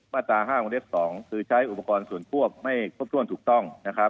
มาตรห้าของเลข๒คือใช้อุปกรณ์ส่วนควบไม่ครบถ้วนถูกต้อง